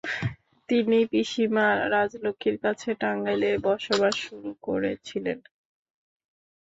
তিনি পিসিমা রাজলক্ষ্মীর কাছে টাঙ্গাইলে বসবাস শুরু করেছিলেন।